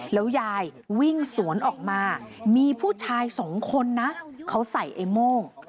แล้วยายวิ่งสวนออกมามีผู้ชายสองคนนะเขาใส่ไอ้โม่ง